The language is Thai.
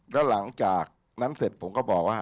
แล้วหลังจากนั้นเสร็จผมก็บอกว่า